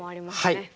はい。